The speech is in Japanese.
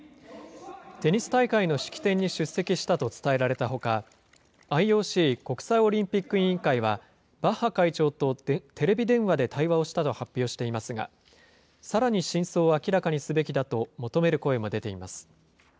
テニス大会の式典に出席したと伝えられたほか、ＩＯＣ・国際オリンピック委員会は、バッハ会長とテレビ電話で対話をしたと発表していますが、さらに真相を明らかにすべきだと求める声も出ています。